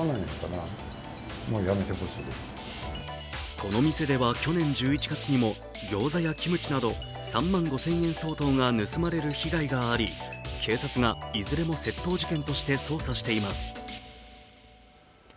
この店では去年１１月にもギョーザやキムチなど３万５０００円相当が盗まれる被害があり警察がいずれも窃盗事件として捜査しています。